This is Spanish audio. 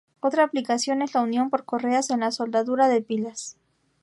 Otra aplicación es la unión por correas en la soldadura de pilas.